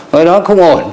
rồi nó không ổn